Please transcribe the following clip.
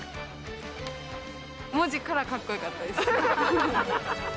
文字からかっこよかったです。